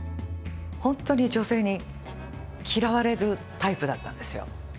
本当に女性に嫌われるタイプだったんですよ。